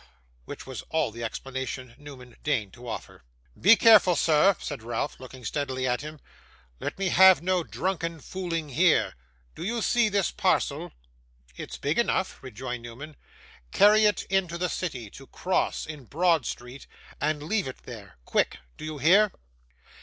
which was all the explanation Newman deigned to offer. 'Be careful, sir,' said Ralph, looking steadily at him. 'Let me have no drunken fooling here. Do you see this parcel?' 'It's big enough,' rejoined Newman. 'Carry it into the city; to Cross, in Broad Street, and leave it there quick. Do you hear?